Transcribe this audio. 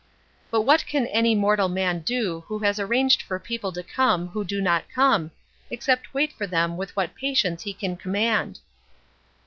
But what can any mortal man do who has arranged for people to come who do not come, except wait for them with what patience he can command.